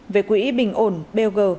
về quỹ bình ổn blg